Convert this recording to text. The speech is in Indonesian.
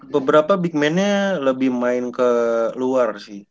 beberapa big man nya lebih main ke luar sih